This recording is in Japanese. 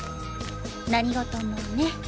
何事もね。